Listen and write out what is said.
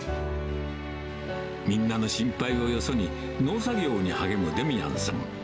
みんなの心配をよそに、農作業に励むデミアンさん。